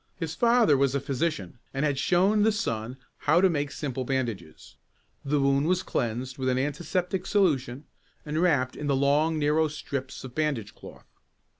His father was a physician, and had shown the son how to make simple bandages. The wound was cleansed with an antiseptic solution and wrapped in the long narrow strips of bandage cloth.